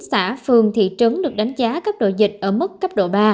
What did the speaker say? xã phường thị trấn được đánh giá cấp độ dịch ở mức cấp độ ba